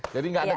jadi nggak ada